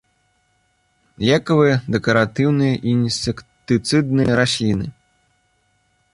Лекавыя, дэкаратыўныя і інсектыцыдныя расліны.